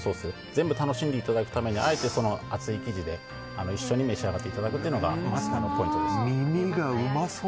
全部楽しんでいただくためにあえて厚い生地で一緒に召し上がっていただくのがポイントです。